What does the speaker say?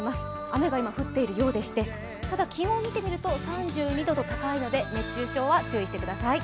雨が今、降っているようでしてただ気温を見てみますと３２度と高いので熱中症は気をつけてください。